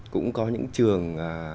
cũng có những trường